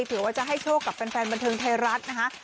ถือว่าจะให้โชคกับแฟนบันเทิงไทยรัฐนะคะ